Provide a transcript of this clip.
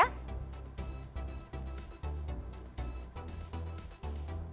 bu ana selamat malam